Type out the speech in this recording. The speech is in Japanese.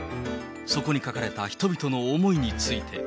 そこに書かれた人々の思いについて。